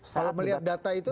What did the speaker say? kalau melihat data itu